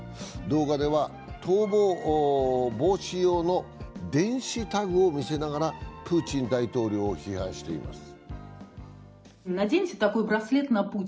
動画では逃亡防止用の電子タグを見せながらプーチン大統領を批判しています。